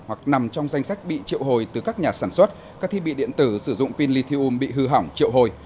hoặc nằm trong danh sách bị triệu hồi từ các nhà sản xuất các thiết bị điện tử sử dụng pin lithium bị hư hỏng triệu hồi